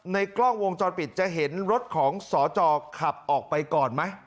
กล้องวงจรปิดจะเห็นรถของสจขับออกไปก่อนไหม